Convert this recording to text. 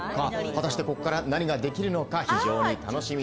果たしてここから何ができるか非常に楽しみです。